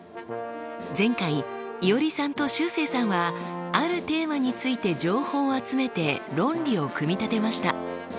前回いおりさんとしゅうせいさんはあるテーマについて情報を集めて論理を組み立てました。